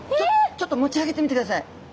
ちょっと持ち上げてみてください。